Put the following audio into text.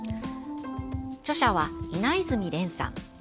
著者は、稲泉連さん。